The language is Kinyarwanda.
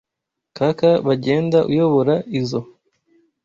Kaka Bagyenda uyobora ISO,